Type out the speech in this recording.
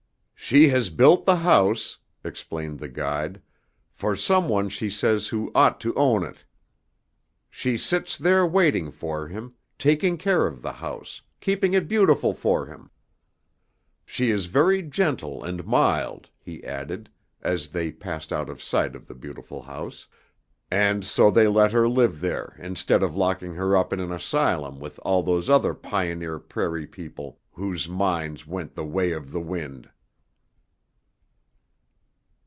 "She has built the house," explained the guide, "for someone she says who ought to own it. She sits there waiting for him, taking care of the house, keeping it beautiful for him." "She is very gentle and mild," he added, as they passed out of sight of the beautiful house, "and so they let her live there instead of locking her up in an asylum with all those other pioneer prairie people whose minds went the way of the wind."